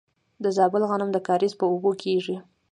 د زابل غنم د کاریز په اوبو کیږي.